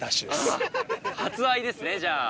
割愛ですねじゃあ。